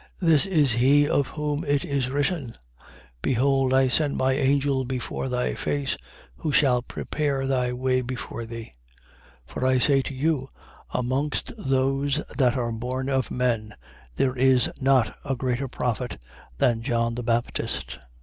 7:27. This is he of whom it is written: Behold I send my angel before thy face, who shall prepare thy way before thee. 7:28. For I say to you: Amongst those that are born of men, there is not a greater prophet than John the Baptist.